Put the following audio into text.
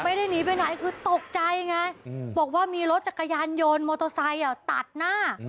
ไม่ได้หนีไปไหนคือตกใจไงบอกว่ามีรถจักรยานยนต์มอเตอร์ไซค์ตัดหน้า